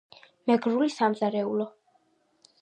მეგრული სამზარეულო